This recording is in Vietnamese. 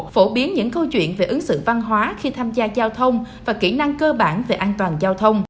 phổ biến những câu chuyện về ứng xử văn hóa khi tham gia giao thông và kỹ năng cơ bản về an toàn giao thông